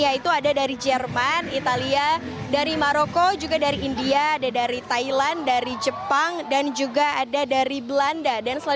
yaitu ada dari jerman italia dari maroko juga dari india ada dari thailand dari jepang dan juga ada dari belanda